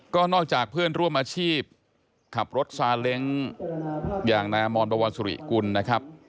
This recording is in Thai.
ก็นอกจากเพื่อนร่วมอาชีพขับรถซาเล้งอย่างนายอมรบวรสุริกุลนะครับ